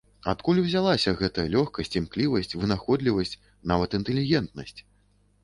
Адкуль узяліся гэтая лёгкасць, імклівасць, вынаходлівасць, нават інтэлігентнасць?